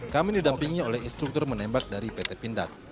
kami didampingi oleh instruktur menembak dari pt pindad